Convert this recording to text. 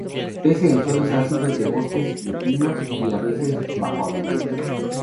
Crece en suelos ácidos de bosques de pinos, y a veces bajo abedules.